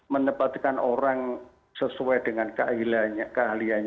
menempatkan orang sesuai dengan keahlianya itu termasuk